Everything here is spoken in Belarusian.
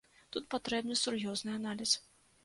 Тут патрэбны сур'ёзны аналіз.